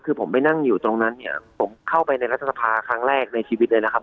คือผมไปนั่งอยู่ตรงนั้นเนี่ยผมเข้าไปในรัฐสภาครั้งแรกในชีวิตเลยนะครับ